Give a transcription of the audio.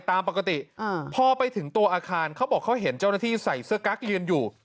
ตามปกติพอไปถึงตัวอาคารเขาบอกเขาเห็นเจ้าหน้าที่ใส่เสื้อกั๊กยืนอยู่